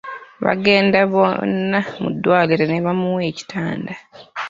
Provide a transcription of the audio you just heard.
Baagenda bonna mu ddwaliro ne bamuwa ekitanda.